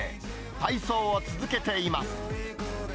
体操を続けています。